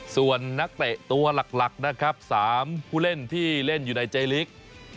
ส่วนนักเตะตัวหลักนะครับ๓ผู้เล่นที่เล่นอยู่ในใจลิก